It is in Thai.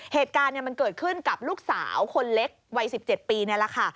เหตุการณ์มันเกิดขึ้นกับลูกสาวคนเล็กวัย๑๗ปีนี่แหละค่ะ